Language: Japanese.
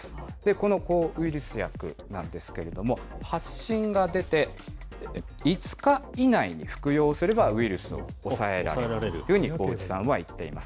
この抗ウイルス薬なんですけれども、発疹が出て、５日以内に服用すれば、ウイルスを抑えられるというように、大内さんは言っています。